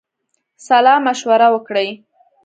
سلامشوره وکړی.